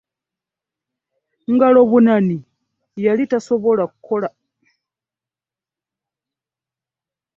Ngalo bunani tayagala kukola.